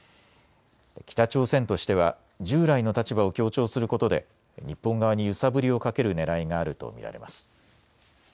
北朝鮮としては従来の立場を強調することで日本側に揺さぶりをかけるねらいがあると見られます。